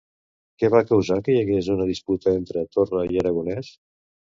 Què va causar que hi hagués una disputa entre Torra i Aragonès?